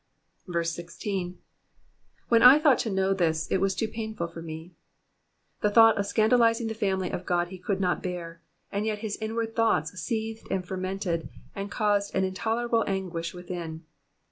16. ''''When I thought to know this, it was too painful for me.'* ^ The thought of scandalising the family of God he could not bear, and yet liis inward thoughts seethed and fermented, and caused an intolerable anguish within.